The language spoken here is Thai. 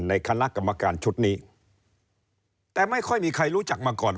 ในคณะกรรมการชุดนี้แต่ไม่ค่อยมีใครรู้จักมาก่อน